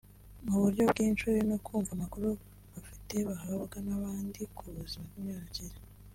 mu buryo bw’inshuri no kumva amakuru bafite bahabwa n’abandi ku buzima bw’imyororokere